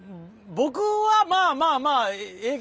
僕はまあまあまあええ